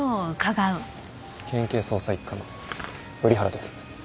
県警捜査一課の瓜原です。